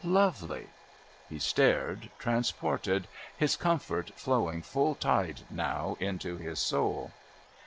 Lovely! He stared, transported, his comfort flowing full tide now into his soul.